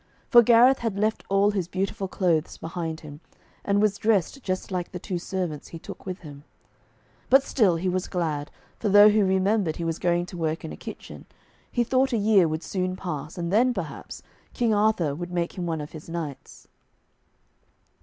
For Gareth had left all his beautiful clothes behind him, and was dressed just like the two servants he took with him. But still he was glad, for though he remembered he was going to work in a kitchen, he thought a year would soon pass, and then, perhaps, King Arthur would make him one of his knights.